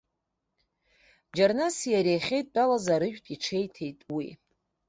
Џьарнаси иареи ахьеидтәалаз арыжәтә иҽеиҭеит уи.